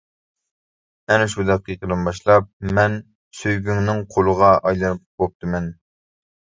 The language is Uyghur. ئەنە شۇ دەقىقىدىن باشلاپ مەن سۆيگۈڭنىڭ قولىغا ئايلىنىپ بوپتىمەن.